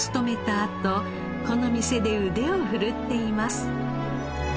あとこの店で腕を振るっています。